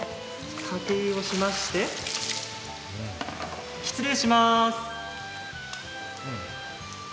かけ湯をしまして、失礼します。